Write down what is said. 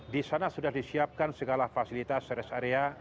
di sana sudah disiapkan segala fasilitas rest area